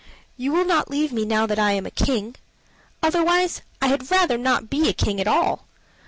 "You will not leave me now that I am a king? Otherwise I had rather not be a king at all.